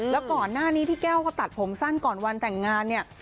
แล้วก่อนหน้านี้พี่แก้วเขาตัดผมสั้นก่อนวันแต่งงานเนี่ย